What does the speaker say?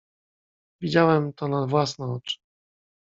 "Widziałem to na własne oczy."